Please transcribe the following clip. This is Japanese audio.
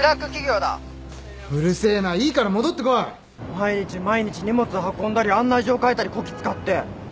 毎日毎日荷物運んだり案内状書いたりこき使って。